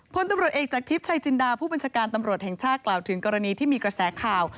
พลตำรวจเอกจากทิพย์ชัยจินดาผู้บัญชาการตำรวจแห่งชาติกล่าวถึงกรณีที่มีกระแสข่าว